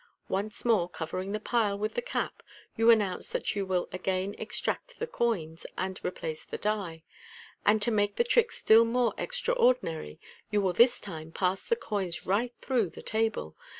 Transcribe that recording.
Once more covering the pile with the cap, you announce that you will again extract the coins, and replace the die } and to make me trick still more extraordinary, you will this time pass the coin9 right through the table.